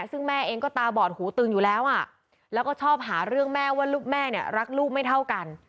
ซึ่งแม่เองก็ตาบอดหูตึงอยู่แล้วอ่ะแล้วก็ชอบหาเรื่องแม่ว่าลูกแม่เนี่ยรักลูกไม่เท่ากัน